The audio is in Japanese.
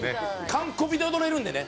完コピで踊れるんでね。